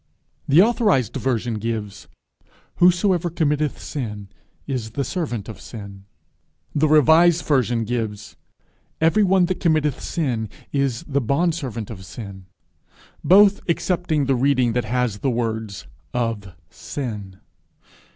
The authorized version gives, 'Whosoever committeth sin, is the servant of sin; 'the revised version gives, 'Every one that committeth sin is the bondservant of sin;' both accepting the reading that has the words, 'of sin.'